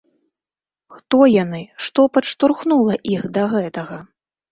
Хто яны, што падштурхнула іх да гэтага?